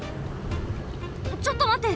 ちょっとまって！